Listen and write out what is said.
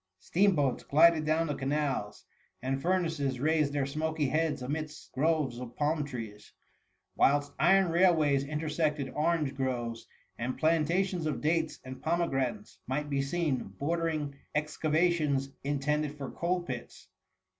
Steam boats glided down the canals, and furnaces raised their smoky heads amidst groves of palm trees ; whilst iron railways intersected orange groves, and plantations of dates and pome granates might be seen bordering excavations intended for coal pits.